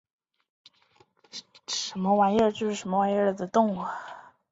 幼赫壳蛞蝓为壳蛞蝓科赫壳蛞蝓属的动物。